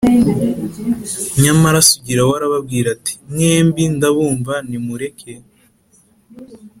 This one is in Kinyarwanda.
Nyamara Sugira we arababwira ati: “Mwembi ndabumva nimureke